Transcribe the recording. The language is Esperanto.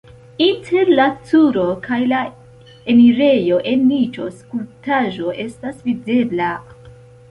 Inter la turo kaj la enirejo en niĉo skulptaĵo estas videbla.